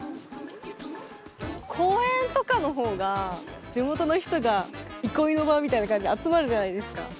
公園とかの方が地元の人が憩いの場みたいな感じで集まるじゃないですか。